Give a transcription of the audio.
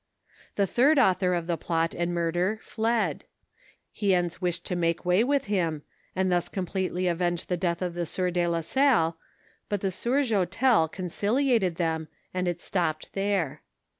The third author of the plot and murder fled ; Hiens wished to make way with him, and thus completely avenge the death of the sieur de la Salle, but the sieur Joutel conciliated them, and it stopped there.